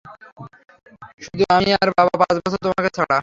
শুধু আমি আর বাবা, পাঁচটা বছর, তোমাকে ছাড়া।